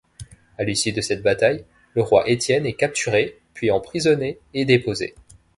À l'issue de cette bataille, le roi Étienne est capturé, puis emprisonné et déposé.